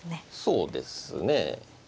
そうですね。